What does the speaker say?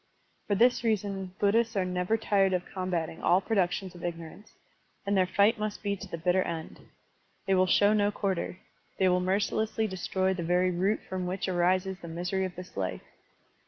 For this reason Buddhists are never tired of com bating all productions of ignorance, and their fight must be to the bitter end. They will show no quarter. They will mercilessly destroy the very root from wWch arises the misery of this life.